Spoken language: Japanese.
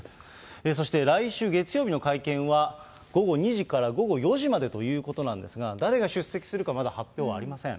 そして来週月曜日の会見は午後２時から午後４時までということなんですが、誰が出席するか、まだ発表はありません。